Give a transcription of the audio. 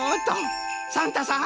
サンタさん